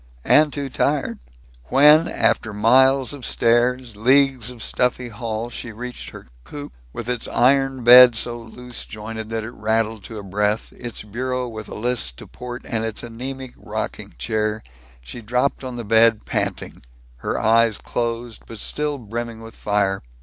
And too tired. When, after miles of stairs, leagues of stuffy hall, she reached her coop, with its iron bed so loose jointed that it rattled to a breath, its bureau with a list to port, and its anemic rocking chair, she dropped on the bed, panting, her eyes closed but still brimming with fire.